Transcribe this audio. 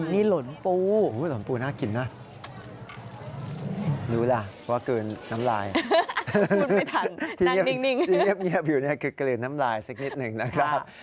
นี่หลนปูน่ะรู้แล้วว่ากลืนน้ำลายที่เย็บอยู่นี่คือกลืนน้ำลายสักนิดหนึ่งนะครับ